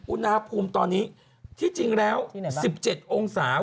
อุณหภูมิตอนนี้ที่จริงแล้ว๑๗องศา